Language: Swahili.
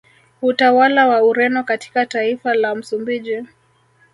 Utawala wa Ureno katika taifa la Msumbiji